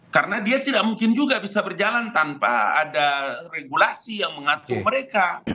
karena dia tidak mungkin juga bisa berjalan tanpa ada regulasi yang mengatur mereka